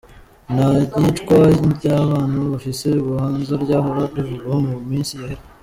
Nta yicwa ry'abantu bafise ubuhanza ryahora rivugwa mu misi yahera.